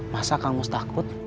masa kang mus takut